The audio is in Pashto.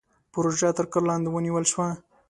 پروژه تر کار لاندې ونيول شوه.